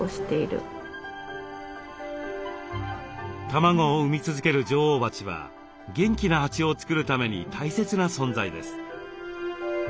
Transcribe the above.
卵を産み続ける女王蜂は元気な蜂を作るために大切な存在です。